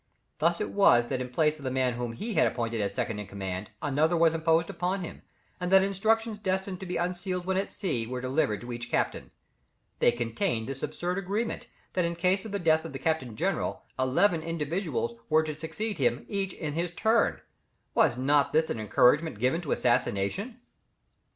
Thus it was that in place of the man whom he had appointed as second in command, another was imposed upon him, and that instructions destined to be unsealed when at sea were delivered to each captain. They contained this absurd arrangement, that in case of the death of the captain general, eleven individuals were to succeed him each in his turn. Was not this an encouragement given to assassination?